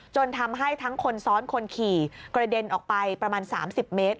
จนทำให้ทั้งคนซ้อนคนขี่กระเด็นออกไปประมาณ๓๐เมตร